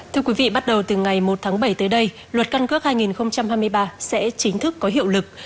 thưa quý vị bắt đầu từ ngày một tháng bảy tới đây luật căn cước hai nghìn hai mươi ba sẽ chính thức có hiệu lực